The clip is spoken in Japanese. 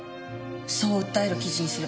そう訴える記事にする。